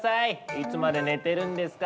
いつまで寝てるんですか？